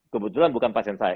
kebetulan bukan pasien saya